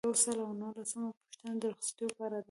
یو سل او نولسمه پوښتنه د رخصتیو په اړه ده.